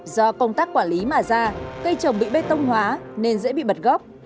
do công tác quản lý mà ra cây trồng bị bê tông hóa nên dễ bị bật gốc